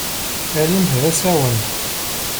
Alimt d asawen.